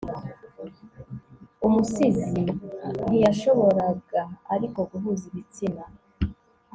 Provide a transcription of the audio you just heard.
Umusizi ntiyashoboraga ariko guhuza ibitsina